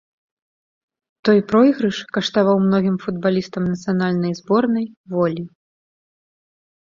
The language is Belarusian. Той пройгрыш каштаваў многім футбалістам нацыянальнай зборнай волі.